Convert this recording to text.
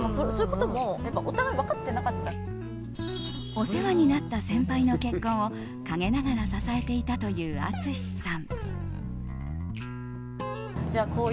お世話になった先輩の結婚を陰ながら支えていたという淳さん。